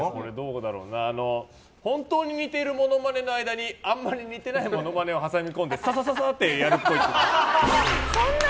本当に似ているモノマネの間にあんまり似てないモノマネを挟み込んでサササッ！ってやるっぽい。